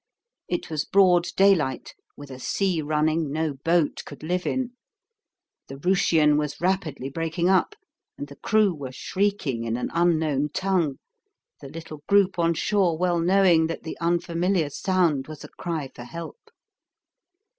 It was broad daylight, with a sea running no boat could live in. The "Rooshian" was rapidly breaking up, and the crew were shrieking in an unknown tongue, the little group on shore well knowing that the unfamiliar sound was a cry for help.